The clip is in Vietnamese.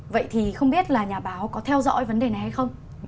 vậy thì không biết là nhà báo có theo dõi vấn đề này hay không